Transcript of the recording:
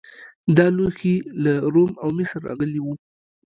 دا لوښي له روم او مصر راغلي وو